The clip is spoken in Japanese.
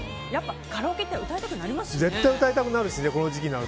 カラオケに行ったら歌いたくなりますよね。